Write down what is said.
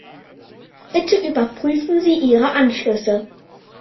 Bitte überprüfen Sie Ihre Anschlüsse.